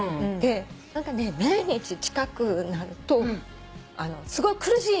何かね命日近くなるとすごい苦しいんだよね。